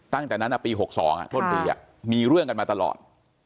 ตั้งแต่นั้นปี๖๒ต้นปีมีเรื่องกันมาตลอด